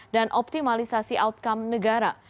dan optimalisasi outcome negara